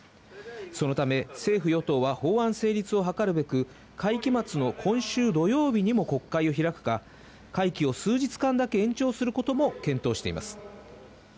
そのため政府・与党は法案成立を図るべく、会期末の今週土曜日にも国会を開くか、会期を数日間だけ延長することも検討しています。